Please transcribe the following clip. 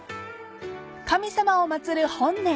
［神様を祭る本殿］